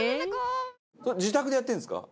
自宅でやってるんですか？